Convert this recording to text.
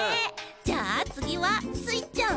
じゃあつぎはスイちゃん！